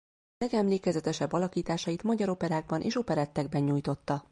Legemlékezetesebb alakításait magyar operákban és operettekben nyújtotta.